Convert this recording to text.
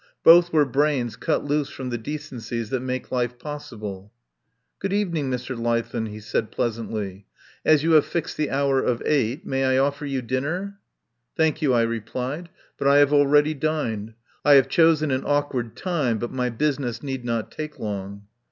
Both were brains cut loose from the decencies that make life possible. "Good evening, Mr. Leithen," he said pleasantly. "As you have fixed the hour of eight, may I offer you dinner?" "Thank you," I replied, "but I have already dined. I have chosen an awkward time, but my business need not take long."